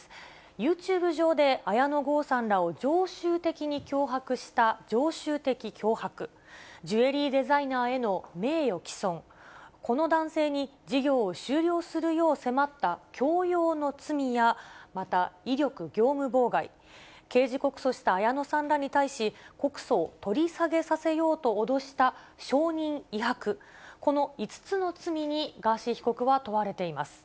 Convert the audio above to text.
ＹｏｕＴｕｂｅ上で綾野剛さんらを常習的に脅迫した常習的脅迫、ジュエリーデザイナーへの名誉毀損、この男性に事業を終了するよう迫った強要の罪や、また、威力業務妨害、刑事告訴した綾野さんらに対し告訴を取り下げさせようと脅した証人威迫、この５つの罪にガーシー被告は問われています。